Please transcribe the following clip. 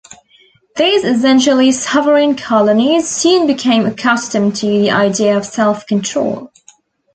These essentially sovereign colonies soon became accustomed to the idea of self-control.